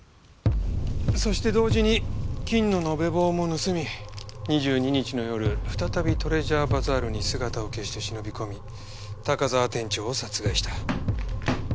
そして同時に金の延べ棒も盗み２２日の夜再びトレジャーバザールに姿を消して忍び込み高沢店長を殺害した。